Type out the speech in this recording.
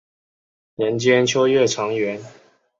人间秋月长圆。